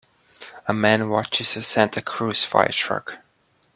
A man watches a Santa Cruz firetruck.